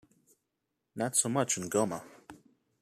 Not so much in Goma.